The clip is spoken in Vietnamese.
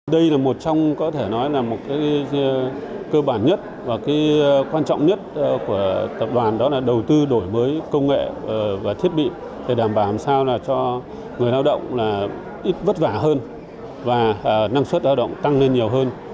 đây là một trong có thể nói là một cơ bản nhất và quan trọng nhất của tập đoàn đó là đầu tư đổi mới công nghệ và thiết bị để đảm bảo làm sao cho người lao động ít vất vả hơn và năng suất lao động tăng lên nhiều hơn